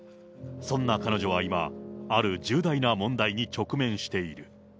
そんな彼女は今、ある重大な問題に直面している。